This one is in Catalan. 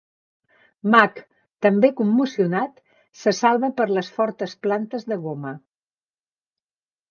Mac, també commocionat, se salva per les fortes plantes de goma.